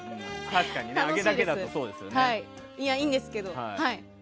いいんですけど。